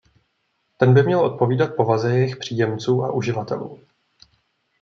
Ten by měl odpovídat povaze jejich příjemců a uživatelů.